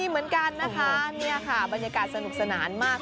เหมือนกันนะคะนี่ค่ะบรรยากาศสนุกสนานมาก